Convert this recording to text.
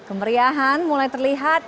kemeriahan mulai terlihat